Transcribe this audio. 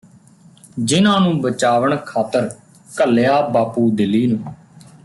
ਜਿੰਨ੍ਹਾ ਨੂੰ ਬਚਾਵਣ ਖਾਤਿਰ ਘੱਲਿਆ ਬਾਪੂ ਦਿੱਲੀ ਨੂੰ